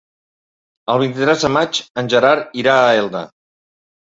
El vint-i-tres de maig en Gerard irà a Elda.